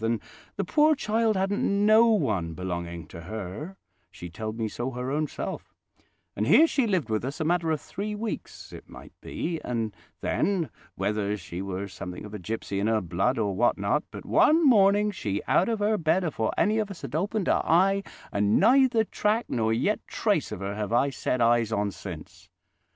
And the pore child hadn't no one belonging to her—she telled me so her own self—and here she lived with us a matter of three weeks it might be; and then, whether she were somethink of a gipsy in her blood or what not, but one morning she out of her bed afore any of us had opened a eye, and neither track nor yet trace of her have I set eyes on since.